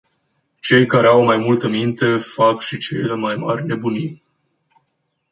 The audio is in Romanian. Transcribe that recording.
Cei care au mai multă minte fac și cele mai mari nebunii.